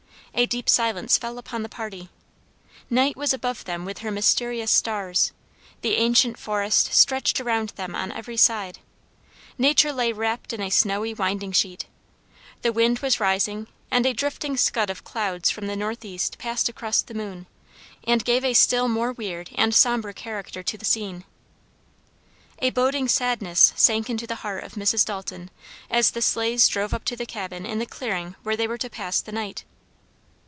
A deep silence fell upon the party; night was above them with her mysterious stars; the ancient forest stretched around them on every side; nature lay wrapped in a snowy winding sheet; the wind was rising, and a drifting scud of clouds from the northeast passed across the moon, and gave a still more weird and somber character to the scene. A boding sadness sank into the heart of Mrs. Dalton as the sleighs drove up to the cabin in the clearing where they were to pass the night.